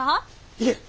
いえ！